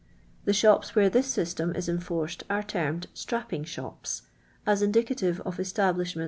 The iihups wh' re this .\vstem is ciiforced are termed " Btrajipiug iihops." as indicative of e>iabliahment.